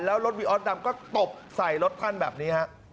แล้วรถวีออสดำก็ตบใส่รถท่านแบบนี้ฮะ